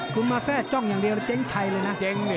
คุณมาแทร่จ้องอย่างเดียวแล้วเจ๊งชัยเลยนะ